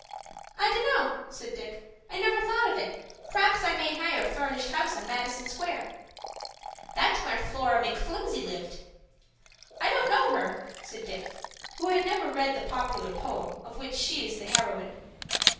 "I dunno," said Dick. "I never thought of it. P'rhaps I may hire a furnished house on Madison Square." "That's where Flora McFlimsey lived." "I don't know her," said Dick, who had never read the popular poem of which she is the heroine.